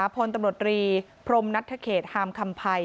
ผนตำรวจรีพรมนัตตาเขตห้ามทำพาย